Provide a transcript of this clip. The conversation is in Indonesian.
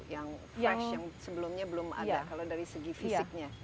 yang fresh yang sebelumnya belum ada kalau dari segi fisiknya